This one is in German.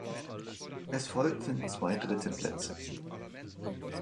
Es folgten zwei dritte Plätze.